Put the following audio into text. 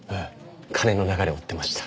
金の流れを追ってました。